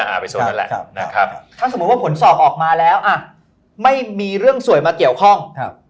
ถ้าสมมุติว่าผลสอบออกมาแล้วไม่มีเรื่องสวยมาเกี่ยวข้อง